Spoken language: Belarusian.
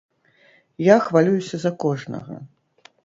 Я хвалююся за кожнага.